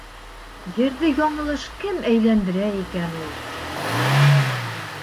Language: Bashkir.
— Ерҙе яңылыш кем әйләндерә икән ул?